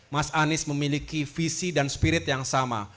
mas anies memiliki visi dan spirit yang sama